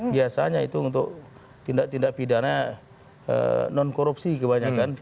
biasanya itu untuk tindak tindak pidana non korupsi kebanyakan